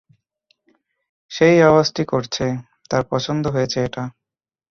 সেই আওয়াজট করছে, তার পছন্দ হয়েছে এটা।